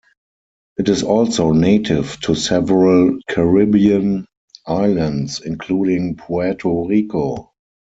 It is also native to several Caribbean islands, including Puerto Rico.